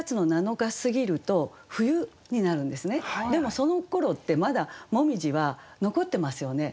でもそのころってまだ紅葉は残ってますよね。